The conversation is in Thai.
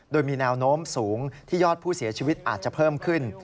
โดยมีแนวโน้มสูงที่ยอดผู้เสียชีวิตอาจจะเพิ่มขึ้น